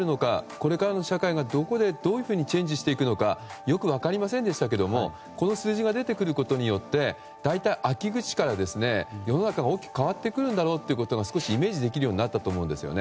これからの社会がどこでどういうふうにチェンジしてくかよく分かりませんでしたがこの数字が出てくることによって大体秋口から、世の中が大きく変わってくるんだろうと少しイメージできるようになったと思います。